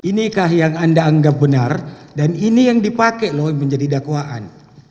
inikah yang anda anggap benar dan ini yang dipakai loh menjadi dakwaan